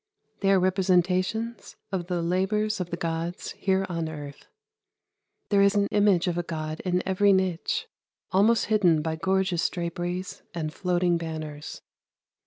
They are representations of the labours of the gods here on earth. There is an image of a god in every niche, almost hidden by gorgeous draperies and floating banners.